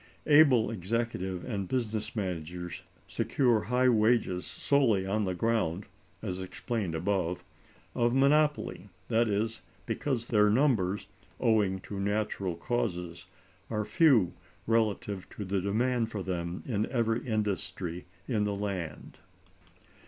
Able executive and business managers secure high wages solely on the ground—as explained above—of monopoly; that is, because their numbers, owing to natural causes, are few relatively to the demand for them in every industry in the land.